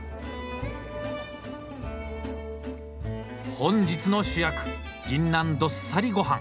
本日の主役ギンナンどっさりごはん。